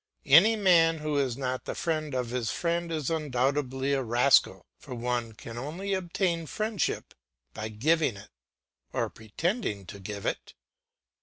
Any man who is not the friend of his friend is undoubtedly a rascal; for one can only obtain friendship by giving it, or pretending to give it.